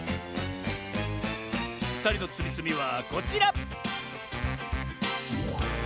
ふたりのつみつみはこちら！